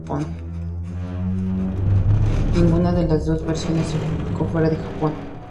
Ninguna de las dos versiones se publicó fuera de Japón.